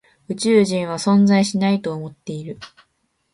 宇宙人は存在しないと思っている。